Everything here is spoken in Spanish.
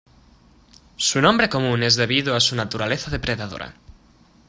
Su nombre común es debido a su naturaleza depredadora.